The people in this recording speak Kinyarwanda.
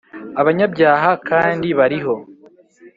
Abanyabyaha kandi bariho.